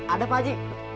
ada pak haji